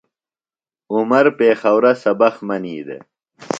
عمر پیخورہ سبق منی دےۡ۔